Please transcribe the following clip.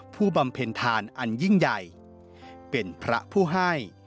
บำเพ็ญทานอันยิ่งใหญ่เป็นพระผู้ให้